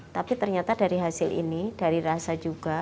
tapi ternyata dari hasil ini dari rasa juga